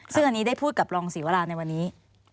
ซึ่งอันนี้ได้พูดกับรองศรีวราในวันนี้